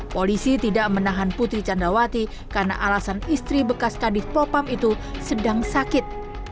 polisi tidak menahan putri candrawati karena alasan istri bekas kadif propam itu sedang sakit